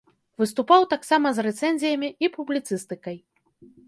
Выступаў таксама з рэцэнзіямі і публіцыстыкай.